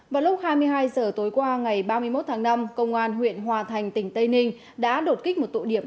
vào lúc hai mươi hai h tối qua ngày ba mươi một tháng năm công an huyện hòa thành tỉnh tây ninh đã đột kích một tụ điểm